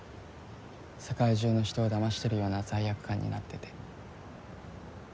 世界中の人を騙してるような罪悪感になってて。